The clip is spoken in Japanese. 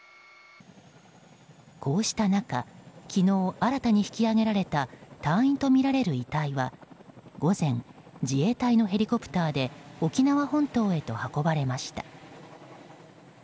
こうした中、昨日新たに引き揚げられた隊員とみられる遺体は午前、自衛隊のヘリコプターで沖縄本島へと運ばれました。